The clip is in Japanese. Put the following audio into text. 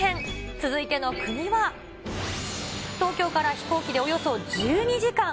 続いての国は、東京から飛行機でおよそ１２時間。